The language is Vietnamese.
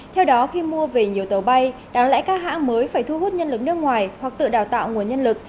theo đó khi mua về nhiều tàu bay đáng lẽ các hãng mới phải thu hút nhân lực nước ngoài hoặc tự đào tạo nguồn nhân lực